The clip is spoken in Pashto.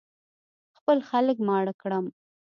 خپل خلک ماړه کړم.